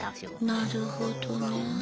なるほどね。